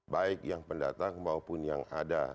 baik yang pendatang maupun yang ada